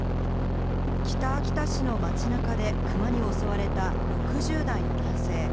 北秋田市の街中でクマに襲われた６０代の男性。